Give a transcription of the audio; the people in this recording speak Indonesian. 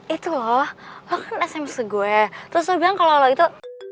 itu loh lo kan smc gue terus lo bilang kalau lo itu